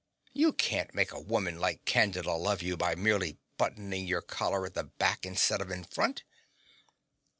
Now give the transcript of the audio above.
You can't make a woman like Candida love you by merely buttoning your collar at the back instead of in front.